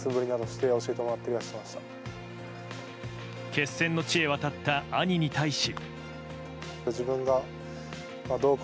決戦の地へ渡った兄に対し。